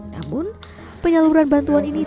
namun penyaluran bantuan ini